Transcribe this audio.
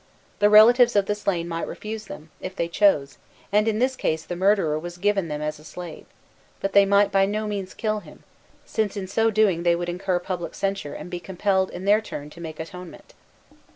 The relatives of the slain might refuse them, if they chose, and in this case the murderer was given them as a slave; but they might by no means kill him, since, in so doing, they would incur public censure, and be compelled in their turn to make atonement.